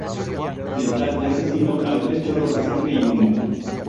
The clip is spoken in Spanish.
Detrás de este signo hay tres chorros de sangre y humo.